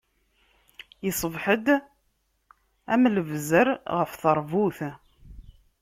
Iṣbeḥ-d am lebzeṛ ɣef teṛbut.